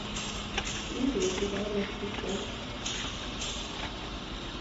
Wukud akka i tɣileḍ tettmeslayeḍ?